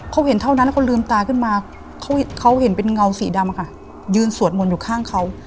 เขาเห็นเท่านั้นแล้วเขาลืมตาขึ้นมาเขาเห็นเป็นเงาสีดำค่ะยืนสวดมนต์อยู่ข้างเขา